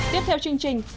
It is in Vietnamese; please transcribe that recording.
tiếp theo chương trình